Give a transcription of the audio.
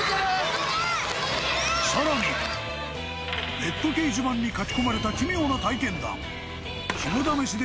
更にネット掲示板に書き込まれた奇妙な体験談。